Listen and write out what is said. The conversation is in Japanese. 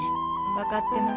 分かってます。